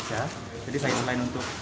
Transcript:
jadi saya selain untuk